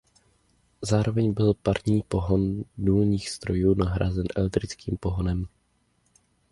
Zároveň byl parní pohon důlních strojů nahrazen elektrickým pohonem.